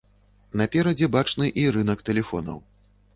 Наперадзе бачны і рынак тэлефонаў.